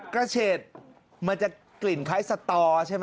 เฉดมันจะกลิ่นคล้ายสตอใช่ไหม